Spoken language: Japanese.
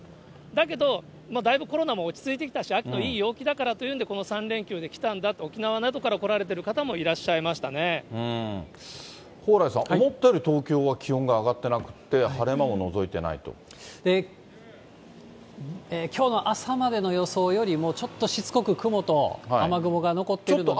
だけどだいぶコロナも落ち着いてきたし、秋のいい陽気だからということで、この３連休で来たんだと、沖縄などから来られている方蓬莱さん、思ったより東京は気温が上がってなくって、晴れ間ものぞいてないきょうの朝までの予想よりも、ちょっとしつこく雲と、雨雲が残ってるので。